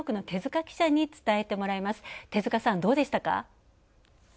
手塚さん、どうでしたか？